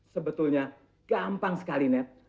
sebetulnya gampang sekali net